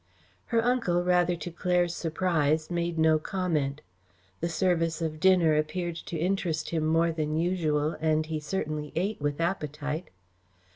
Her uncle, rather to Claire's surprise, made no comment. The service of dinner appeared to interest him more than usual, and he certainly ate with appetite.